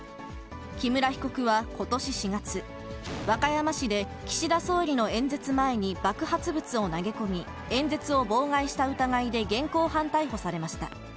木村被告はことし４月、和歌山市で岸田総理の演説前に爆発物を投げ込み、演説を妨害した疑いで現行犯逮捕されました。